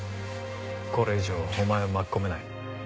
これ以上お前を巻き込めない。